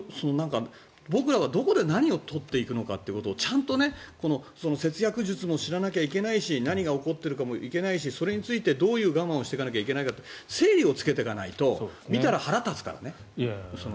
僕らがどこで何を取っていくのかということをちゃんと節約術も知らないといけないし何が起こるかわからないしそれについてどういう我慢をしないといけないか整理をつけていかないと見たら腹が立つからね。